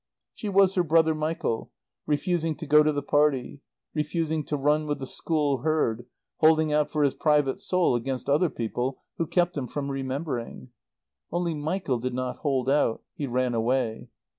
She was her brother Michael, refusing to go to the party; refusing to run with the school herd, holding out for his private soul against other people who kept him from remembering. Only Michael did not hold out. He ran away.